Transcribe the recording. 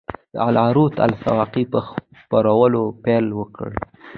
د العروة الوثقی په خپرولو پیل وکړ.